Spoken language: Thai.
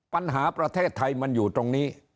ประเทศไทยมันอยู่ตรงนี้